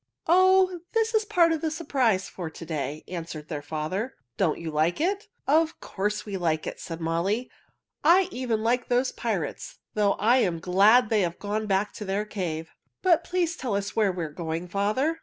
"Oh, this is part of the surprise for to day," answered their father. "Don't you like it?" "Of course we like it," said Molly. "I even like those pirates, though I am glad they have gone back to their cave. But please tell us where we are going, father."